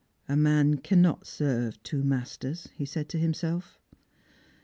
"A man cannot serve two masters," he said to himself.